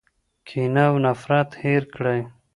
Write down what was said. کینه او نفرت هیر کړئ.